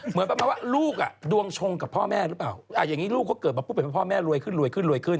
เหมือนประมาณว่าลูกอ่ะดวงชงกับพ่อแม่หรือเปล่าอย่างนี้ลูกเขาเกิดมาปุ๊บเป็นพ่อแม่รวยขึ้นรวยขึ้นรวยขึ้น